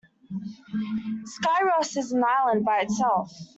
Skyros is an island by itself.